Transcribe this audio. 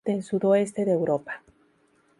Del sudoeste de Europa.